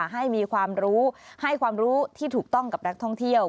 ให้มีความรู้ให้ความรู้ที่ถูกต้องกับนักท่องเที่ยว